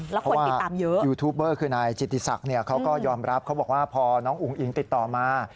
เพราะว่ายูทูปเบอร์คือนายจิติศักดิ์เนี่ยเขาก็ยอมรับเขาบอกว่าพอน้องอุ๋งอิ๋งติดต่อมา